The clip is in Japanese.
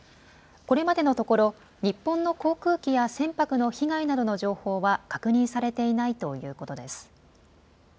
これまでのところ日本の航空機や船舶の被害などの情報は確認されていないということです。